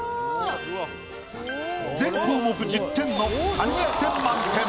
全項目１０点の３０点満点！